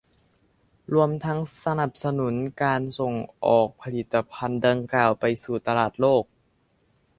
รวมทั้งสนับสนุนการส่งออกผลิตภัณฑ์ดังกล่าวไปสู่ตลาดโลก